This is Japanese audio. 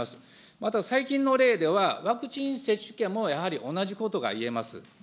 また、最近の例では、ワクチン接種券もやはり同じことが言えます。